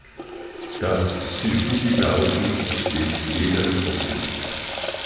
Das Sühudi-Laufen steht jedem offen.